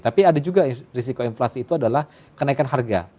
tapi ada juga risiko inflasi itu adalah kenaikan harga